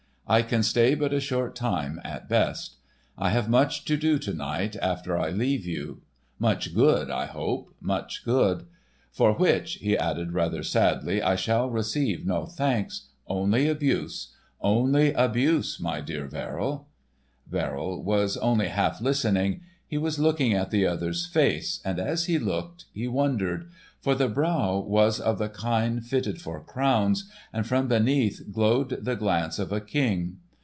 I can stay but a short while at best. I have much to do to night after I leave you,—much good I hope, much good. For which," he added rather sadly, "I shall receive no thanks, only abuse, only abuse, my dear Verrill." Verrill was only half listening. He was looking at the other's face, and as he looked, he wondered; for the brow was of the kind fitted for crowns, and from beneath glowed the glance of a King.